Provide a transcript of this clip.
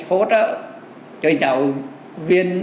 hỗ trợ cho giáo viên